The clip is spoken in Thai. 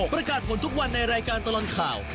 ประกาศผลทุกวันในรายการตลอดข่าว